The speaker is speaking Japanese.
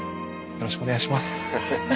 よろしくお願いします。